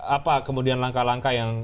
apa kemudian langkah langkah yang